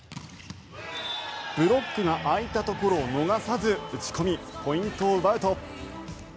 ブロックが空いたところを逃さず打ち込みポイントを奪うと。